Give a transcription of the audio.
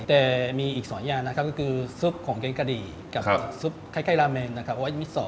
แต่มีอีก๒อย่างนะครับก็คือซุปของแกงกะดีกับซุปคล้ายราเมนนะครับว่ามิส๒